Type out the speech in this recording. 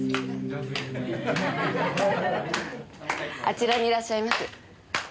あちらにいらっしゃいます。